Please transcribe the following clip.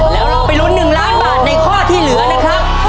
แล้วเราไปลุ้น๑ล้านบาทในข้อที่เหลือนะครับ